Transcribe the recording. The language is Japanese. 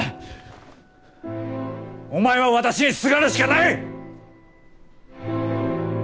お前は私にすがるしかない！